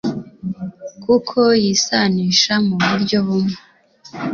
kuko yisanisha mu buryo bumwe